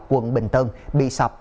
quận bình tân bị sập